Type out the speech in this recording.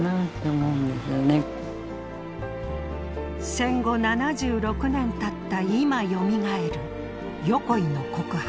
戦後７６年たった今よみがえる横井の告白。